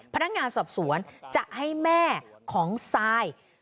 พนักงานสอบสวนจะให้แม่ของซาย